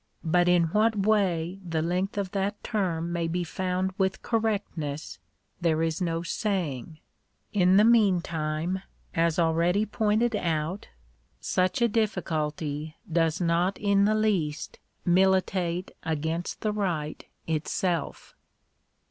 But in what way the length of that term may be found with correctness there is no saying. In the mean time, as already pointed out (p. 110), such a difficulty does not in the least militate against the right itself.